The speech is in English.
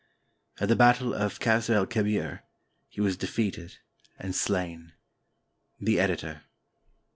At the battle of Kassr el Kebir he was defeated and slain. The Editor.